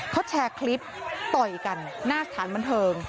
เขาแชร์คลิปต่อยกันหน้าสถานบันเทิง